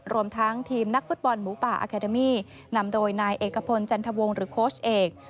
รวมทั้งทีมนักฟุตบอลหมูป่าอาคาเดมี่นำโดยนายเอกพลจันทวงหรือโค้ชเอก